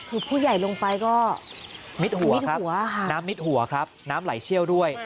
คือผู้ใหญ่ลงไปก็มิดหัวครับน้ำมิดหัวครับน้ำไหลเชี่ยวด้วย